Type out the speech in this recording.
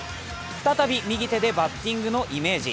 再び右手でバッティングのイメージ。